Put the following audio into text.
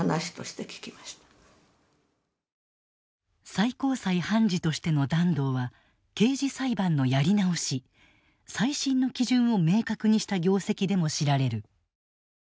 最高裁判事としての團藤は刑事裁判のやり直し「再審」の基準を明確にした業績でも知られる。